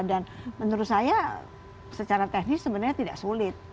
dan menurut saya secara teknis sebenarnya tidak sulit